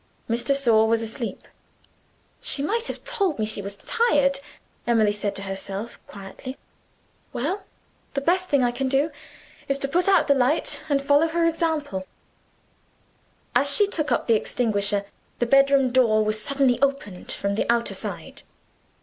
Miss de Sor was asleep. "She might have told me she was tired," Emily said to herself quietly. "Well! the best thing I can do is to put out the light and follow her example." As she took up the extinguisher, the bedroom door was suddenly opened from the outer side.